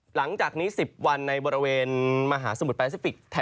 หลังจากนี้๑๐วันในบริเวณมหาสมุทรแปซิฟิก